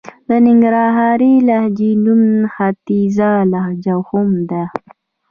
د ننګرهارۍ لهجې نوم ختيځه لهجه هم دئ.